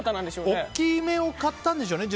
大きめを買ったんでしょうね